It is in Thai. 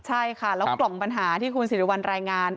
ใช่ค่ะแล้วกล่องปัญหาที่คุณสิริวัลรายงาน